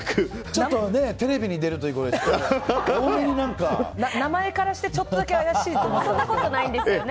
ちょっとテレビに出るということで名前からしてちょっとだけ怪しいと思ってたんですけど。